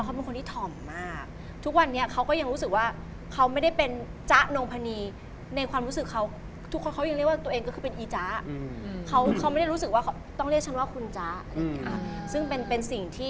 คนนี้นะมูเรื่องนี้เรื่องนั้นเรื่องนั้น